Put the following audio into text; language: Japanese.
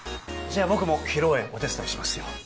じゃあ僕も披露宴お手伝いしますよ。